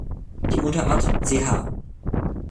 Die Unterart "Ch.